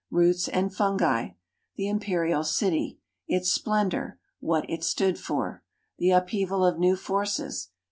Roots and fungi.' The Imperial City : its splendor; what it stood for. The upheaval of new forces.